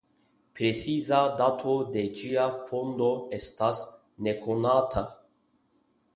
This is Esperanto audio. Preciza dato de ĝia fondo estas nekonata.